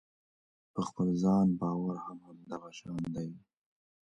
په خپل ځان باور هم همدغه شان دی.